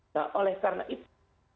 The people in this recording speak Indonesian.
nah oleh karena itu